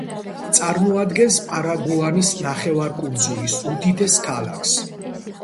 წარმოადგენს პარაგუანის ნახევარკუნძულის უდიდეს ქალაქს.